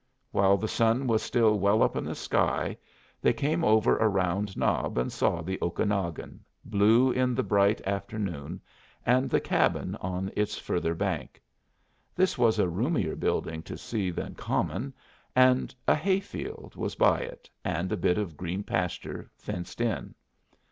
While the sun was still well up in the sky they came over a round knob and saw the Okanagon, blue in the bright afternoon, and the cabin on its further bank. This was a roomier building to see than common, and a hay field was by it, and a bit of green pasture, fenced in.